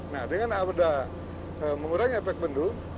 nah dengan ada mengurangi efek bendung